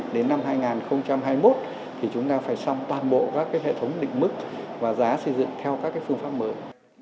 đến năm hai nghìn hai mươi một thì chúng ta phải xong toàn bộ các hệ thống định mức và giá xây dựng theo các phương pháp mới